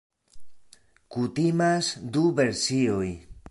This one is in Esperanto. Kutimas du versioj.